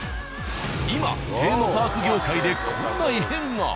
今テーマパーク業界でこんな異変が！！